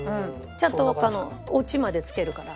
ちゃんとオチまでつけるから。